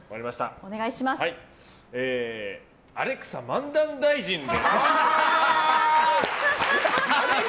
アレクサ漫談大臣で。